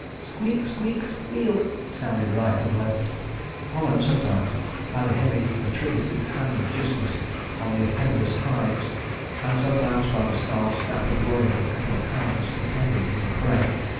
Squeak, squeak, squeal sounded right and left, followed sometimes by the heavy retributive hand of Justice on the offenders' hides, and sometimes by the snarl, snap, and worry of a couple of hounds contending for the prey.